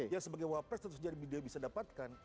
yang sebagai wak pres tentu saja dia bisa dapatkan